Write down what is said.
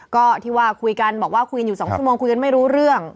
ก็ที่ว่าคุยกันบอกว่าคุยกันอยู่๒ชั่วโมงคุยกันไม่รู้เรื่อง